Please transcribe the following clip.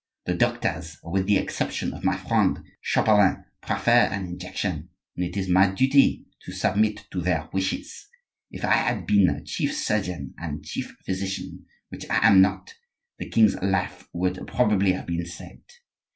The doctors, with the exception of my friend Chapelain, prefer an injection, and it is my duty to submit to their wishes. If I had been chief surgeon and chief physician, which I am not, the king's life would probably have been saved.